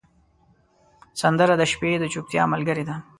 سندره د شپې د چوپتیا ملګرې ده